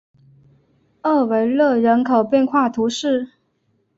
厄维勒人口变化图示